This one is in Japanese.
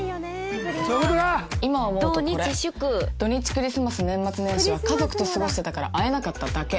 今思うとこれ土日クリスマス年末年始は家族と過ごしてたから会えなかっただけ。